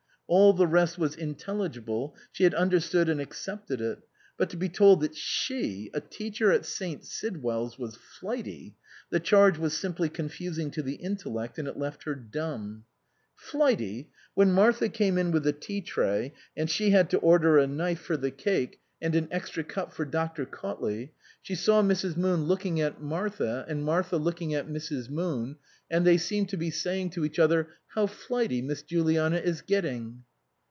All the rest was intelligible, she had understood and accepted it ; but to be told that she, a teacher in St. Sidwell's, was flighty the charge was simply confusing to the intellect, and it left her dumb. Flighty ? When Martha came in with the tea tray and she had to order a knife for the cake 263 SUPERSEDED and an extra cup for Dr. Cautley, she saw Mrs. Moon looking at Martha, and Martha looking at Mrs. Moon, and they seemed to be saying to each other, " How nighty Miss Juliana is get ting."